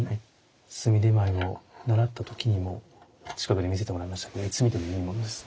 炭手前を習った時にも近くで見せてもらいましたけれどもいつ見てもいいものですね